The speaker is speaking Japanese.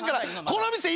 この店。